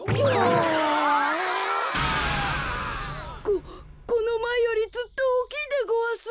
ここのまえよりずっとおおきいでごわす。